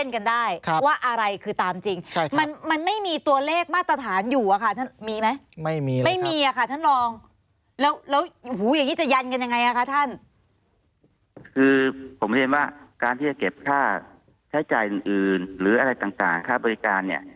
การที่จะเก็บค่าใช้จ่ายอื่นหรืออะไรต่างค่าบริการเนี่ย